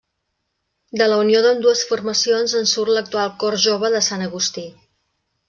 De la unió d'ambdues formacions en surt l'actual Cor jove de Sant Agustí.